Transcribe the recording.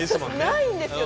ないんですよ。